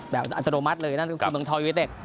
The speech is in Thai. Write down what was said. แบบอัตโนมัติเลยนั่นก็คือเมืองทอวิเวตเต็ก